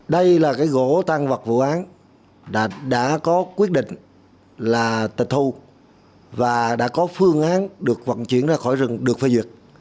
đây là cái gỗ tăng vật vụ án đã có quyết định là tật thu và đã có phương án được vận chuyển ra khỏi rừng